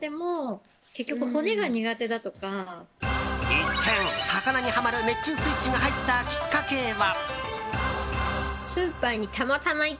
一転、魚にハマる熱中スイッチが入ったきっかけは？